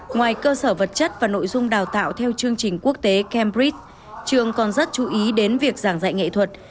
ngoài cơ sở vật chất và nội dung đào tạo theo chương trình quốc tế cambridge trường còn rất chú ý đến việc giảng dạy nghệ thuật